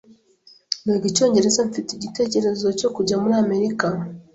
Niga Icyongereza mfite igitekerezo cyo kujya muri Amerika.